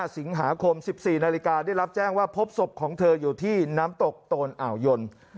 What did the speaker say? สิงหาคม๑๔นาฬิกาได้รับแจ้งว่าพบศพของเธออยู่ที่น้ำตกโตนอ่าวยน